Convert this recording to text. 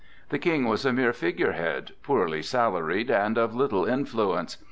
The King was a mere figure head, poorly salaried and of little influence.